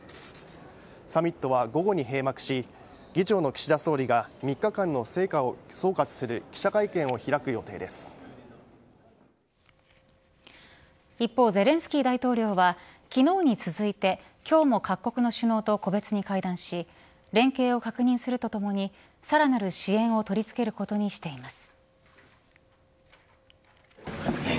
サミットは午後に閉幕し議長の岸田総理が３日間の成果を総括する一方、ゼレンスキー大統領は昨日に続いて今日も各国の首脳と個別に会談し連携を確認するとともにさらなる支援を取りつけることにしています。